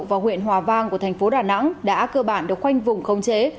và huyện hòa vang của thành phố đà nẵng đã cơ bản được khoanh vùng không chế